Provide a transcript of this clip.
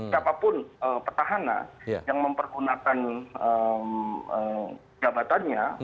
siapapun petahana yang mempergunakan jabatannya